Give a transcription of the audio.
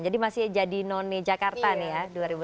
jadi masih jadi none jakarta nih ya dua ribu delapan belas